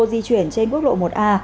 di chuyển trên quốc lộ một a